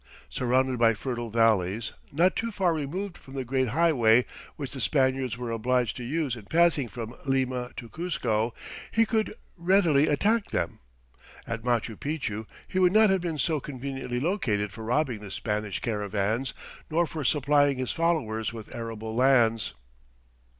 Surrounded by fertile valleys, not too far removed from the great highway which the Spaniards were obliged to use in passing from Lima to Cuzco, he could readily attack them. At Machu Picchu he would not have been so conveniently located for robbing the Spanish caravans nor for supplying his followers with arable lands.